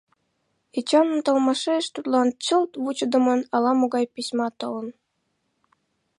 Эчанын толмашеш тудлан чылт вучыдымын ала-могай письма толын.